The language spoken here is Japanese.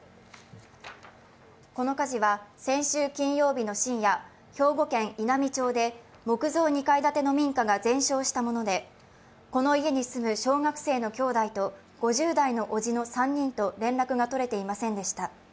この火事は先週金曜日の深夜、兵庫県稲美町で木造２階建ての民家が全焼したものでこの家に住む小学生の兄弟と５０代のおじの３人と連絡が取れていませんでした。